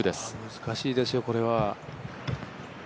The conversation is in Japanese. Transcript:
難しいですよこれは。